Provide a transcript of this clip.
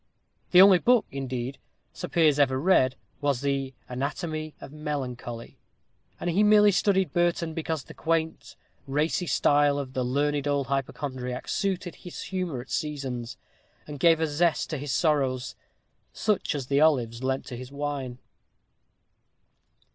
The only book, indeed, Sir Piers ever read, was the "Anatomie of Melancholy;" and he merely studied Burton because the quaint, racy style of the learned old hypochondriac suited his humor at seasons, and gave a zest to his sorrows, such as the olives lent to his wine.